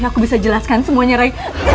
aku bisa jelaskan semuanya ray